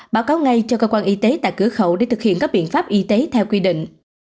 báo cáo ngay cho cơ quan y tế tại cửa khẩu để thực hiện các biện pháp y tế theo quy định